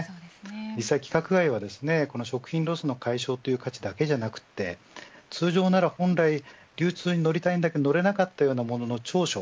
実際規格外は食品ロスの解消という価値だけじゃなくて通常なら本来流通に乗りたいけど乗れなかったものの長所